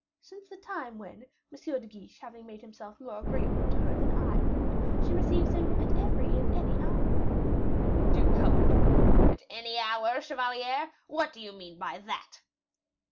"Since the time when, M. de Guiche having made himself more agreeable to her than I could, she receives him at every and any hour." The duke colored. "At any hour, chevalier; what do you mean by that?"